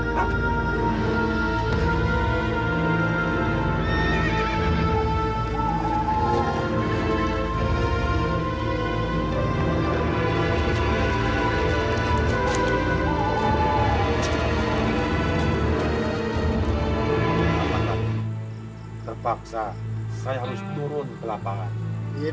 terpaksa saya harus turun ke lapangan